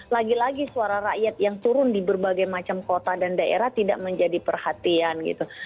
lagi lagi suara rakyat yang turun di berbagai macam kota dan daerah tidak menjadi perhatian gitu